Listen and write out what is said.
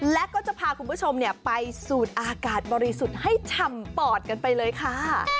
และก็จะพาคุณผู้ชมไปสูดอากาศบริสุทธิ์ให้ฉ่ำปอดกันไปเลยค่ะ